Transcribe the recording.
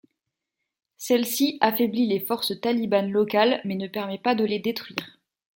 Celle-ci affaiblit les forces talibanes locales mais ne permet pas de les détruire.